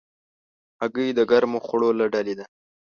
هګۍ د ګرمو خوړو له ډلې ده.